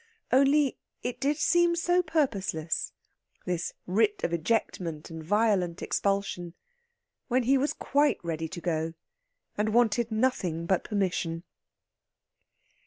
Only, it did seem so purposeless, this writ of ejectment and violent expulsion, when he was quite ready to go, and wanted nothing but permission.